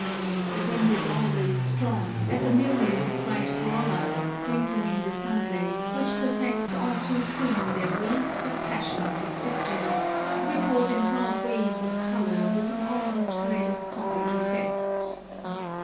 The wind is always strong, and the millions of bright corollas, drinking in the sun blaze which perfects all too soon their brief but passionate existence, rippled in broad waves of colour with an almost kaleidoscopic effect.